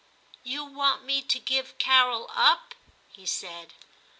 *You want me to give Carol up,' he said.